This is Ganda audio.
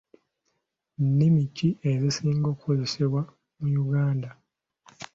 Nnimi ki ezisinga okukozesebwa mu Uganda?